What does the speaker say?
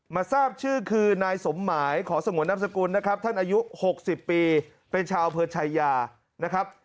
ทราบชื่อคือนายสมหมายขอสงวนนามสกุลนะครับท่านอายุ๖๐ปีเป็นชาวอำเภอชายานะครับ